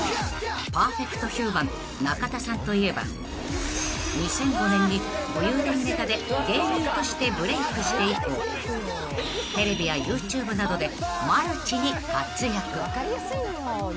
［パーフェクトヒューマン中田さんといえば２００５年に武勇伝ネタで芸人としてブレイクして以降テレビやＹｏｕＴｕｂｅなどでマルチに活躍］